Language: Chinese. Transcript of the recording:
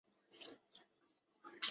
卒于咸丰五年。